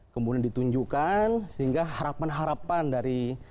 kemudian ditunjukkan sehingga harapan harapan dari